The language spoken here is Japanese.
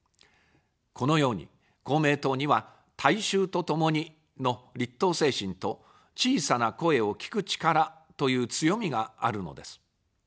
このように、公明党には、大衆とともにの立党精神と小さな声を聴く力という強みがあるのです。